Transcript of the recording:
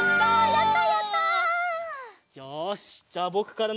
やった！